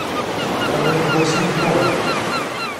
Aman n wasif luɣen.